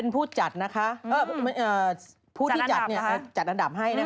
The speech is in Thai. พูดจัดนะคะพูดที่จัดเนี่ยจัดอันดับให้นะคะ